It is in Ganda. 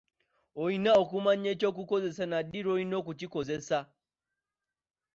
Olina okumanya eky'okukozesa na ddi lw'olina okukikozesa.